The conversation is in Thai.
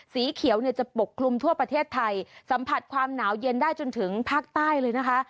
สีเขียวเนี่ยจะปกคลุมทั่วประเทศไทยสัมผัสความหนาวเย็นได้จนถึงภาคใต้เลยนะคะ